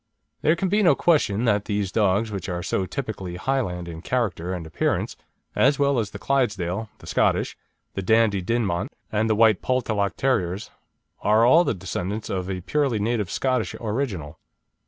There can be no question that these dogs, which are so typically Highland in character and appearance, as well as the Clydesdale, the Scottish, the Dandie Dinmont, and the White Poltalloch terriers, are all the descendants of a purely native Scottish original.